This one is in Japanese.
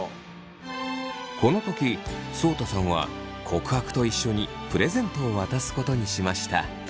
この時そうたさんは告白と一緒にプレゼントを渡すことにしました。